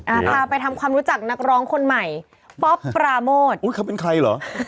อ่าพาไปทำความรู้จักนักร้องคนใหม่ป๊อปปราโมทอุ้ยเขาเป็นใครเหรอ